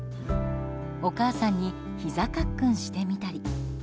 お母さんにひざかっくんしてみたり。